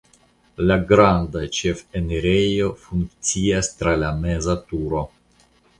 La granda ĉefenirejo funkcias tra la meza turo.